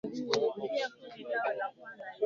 Mara hii akichuana na Daktari Ali Mohamed Shein